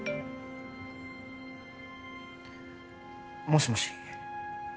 もしもし